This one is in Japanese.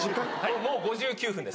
もう５９分です。